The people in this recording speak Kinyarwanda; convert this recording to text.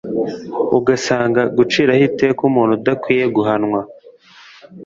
ugasanga guciraho iteka umuntu udakwiye guhanwa